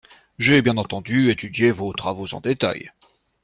J’ai bien entendu étudié vos travaux en détail